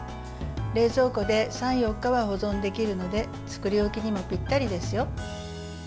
冷蔵庫で３４日は保存できるので作り置きにもぴったりですよ。